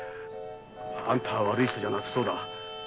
あんたは悪い人じゃなさそうだ。